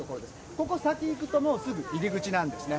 ここ、先行くとすぐ入り口なんですね。